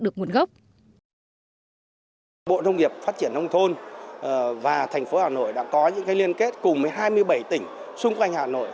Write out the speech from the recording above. bộ nông nghiệp phát triển nông thôn và thành phố hà nội đã có những liên kết cùng với hai mươi bảy tỉnh xung quanh hà nội